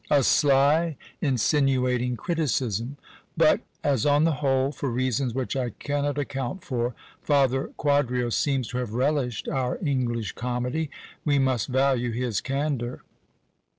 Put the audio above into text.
A sly, insinuating criticism! But, as on the whole, for reasons which I cannot account for, Father Quadrio seems to have relished our English comedy, we must value his candour.